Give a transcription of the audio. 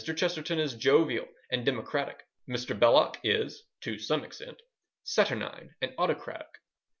Chesterton is jovial and democratic; Mr. Belloc is (to some extent) saturnine and autocratic.